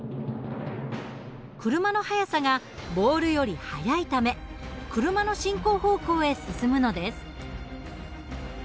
車の速さがボールより速いため車の進行方向へ進むのです。